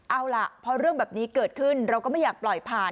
เอาล่ะพอเรื่องแบบนี้เกิดขึ้นเราก็ไม่อยากปล่อยผ่าน